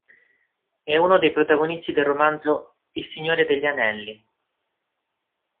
È uno dei protagonisti del romanzo "Il Signore degli Anelli".